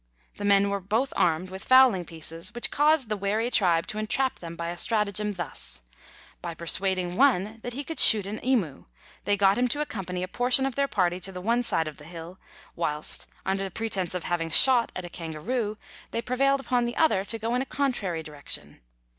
The men were both armed with fowling pieces, which caused the wary tribe to entrap them by a stratagem, thus : by persuading one 1 Per Jfon al. 14 Letters from Victorian Pioneers. that lie could shoot an emu, they got him to accompany a portion of their party to the one side of the hill, whilst, under pretence of having a shot at a kangaroo, they prevailed upon the other to go in a contrary direction.